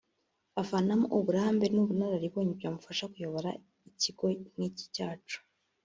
avanamo uburambe n’ubunararibonye byamufasha kuyobora ikigo nk’iki cyacu